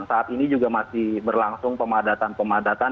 saat ini juga masih berlangsung pemadatan pemadatan